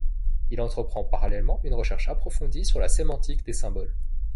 Il entreprend parallèlement une recherche approfondie sur la sémantique des symboles.